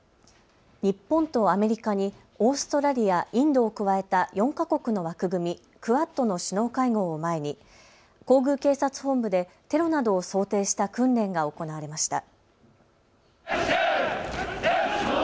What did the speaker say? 日本とアメリカにオーストラリア、インドを加えた４か国の枠組み、クアッドの首脳会合を前に皇宮警察本部でテロなどを想定した訓練が行われました。